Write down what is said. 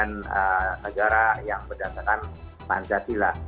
negara yang berdasarkan pancasila